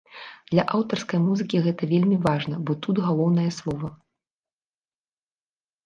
Для аўтарскай музыкі гэта вельмі важна, бо тут галоўнае слова.